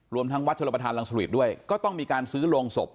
รวมทั้งวัดชลประธานรังสริตด้วยก็ต้องมีการซื้อโรงศพ